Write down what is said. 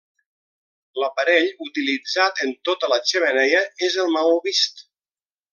L'aparell utilitzat en tota la xemeneia és el maó vist.